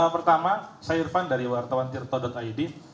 pertama saya irfan dari wartawan tirto id